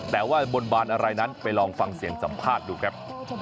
แต่ว่าบนบานอะไรนั้นไปลองฟังเสียงสัมภาษณ์ดูครับ